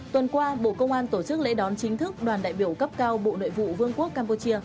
tuần qua bộ công an tổ chức lễ đón chính thức đoàn đại biểu cấp cao bộ nội vụ vương quốc campuchia